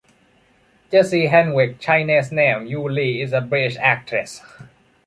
Jessica Henwick, Chines name Yu Li, is a British actress.